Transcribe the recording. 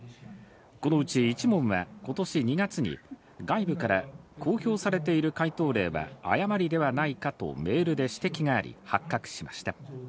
このうち１問は、ことし２月に外部から、公表されている解答例は誤りではないかとメールで指摘があり発覚しました。